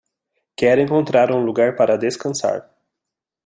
Quer encontrar um lugar para descansar